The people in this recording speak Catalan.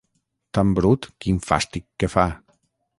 Tan brut, quin fàstic que fa!